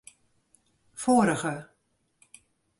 Foarige.